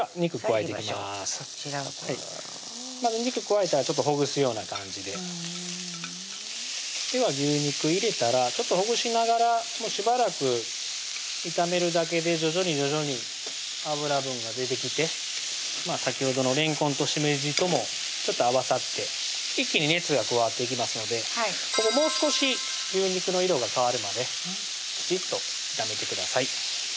さぁいきましょうそちらをまず肉加えたらちょっとほぐすような感じででは牛肉入れたらちょっとほぐしながらしばらく炒めるだけで徐々に徐々に脂分が出てきて先ほどのれんこんとしめじともちょっと合わさって一気に熱が加わっていきますのでもう少し牛肉の色が変わるまできちっと炒めてください